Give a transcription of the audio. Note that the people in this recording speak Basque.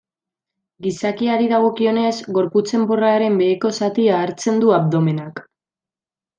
Gizakiari dagokionez, gorputz enborraren beheko zatia hartzen du abdomenak.